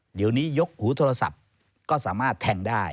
เดี๋ยวนี้ยกหูโทรศัพท์ก็สามารถแทงได้